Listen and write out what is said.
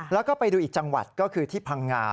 แล้วก็ไปดูอีกจังหวัดก็คือที่พังงา